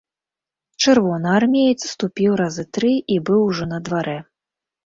Чырвонаармеец ступіў разы тры і быў ужо на дварэ.